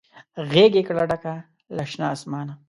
غیږ یې کړه ډکه له شنه اسمانه